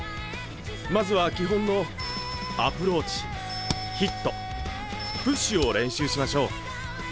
まずは基本のアプローチヒットプッシュを練習しましょう。